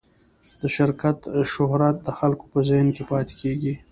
د شرکت شهرت د خلکو په ذهن کې پاتې کېږي.